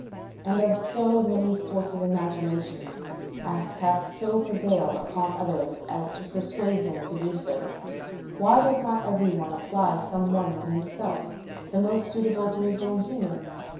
And of so many sorts of imaginations as have so prevailed upon others as to persuade them to do so, why does not every one apply some one to himself, the most suitable to his own humour?